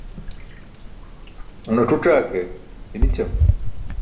un ac̣uc̣aa ke je nićam